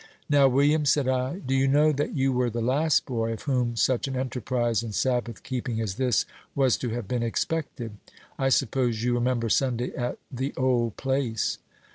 "Now, William," said I, "do you know that you were the last boy of whom such an enterprise in Sabbath keeping as this was to have been expected? I suppose you remember Sunday at 'the old place'?"